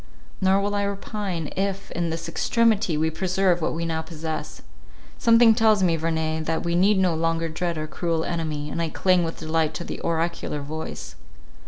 Nor will I repine if in this extremity we preserve what we now possess. Something tells me, Verney, that we need no longer dread our cruel enemy, and I cling with delight to the oracular voice.